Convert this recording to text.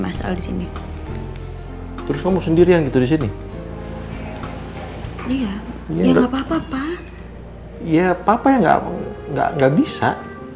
masalah disini terus kamu sendirian gitu di sini iya nggak papa papa ya papa ya nggak nggak nggak bisa